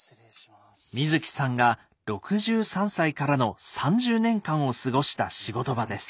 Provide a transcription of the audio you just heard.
水木さんが６３歳からの３０年間を過ごした仕事場です。